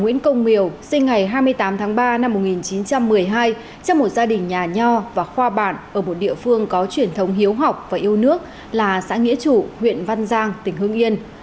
nguyễn công miều sinh ngày hai mươi tám tháng ba năm một nghìn chín trăm một mươi hai trong một gia đình nhà nho và khoa bản ở một địa phương có truyền thống hiếu học và yêu nước là xã nghĩa trụ huyện văn giang tỉnh hương yên